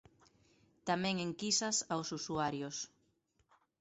Tamén enquisas aos usuarios.